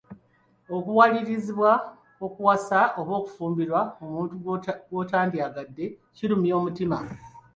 Okuwalirizibwa okuwasa oba okufumbirwa omuntu gw'otandyagadde kirumya omutima.